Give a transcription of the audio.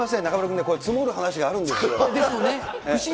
すみません、中丸君、積もる話があるんですよ。